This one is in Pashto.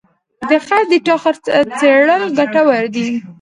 د خرڅ ډیټا څېړل ګټور دي.